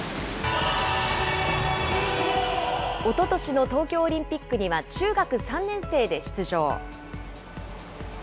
おととしの東京オリンピックには中学３年生で出場。